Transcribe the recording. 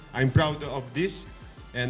saya bangga dengan ini